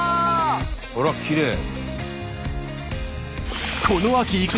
あらきれい！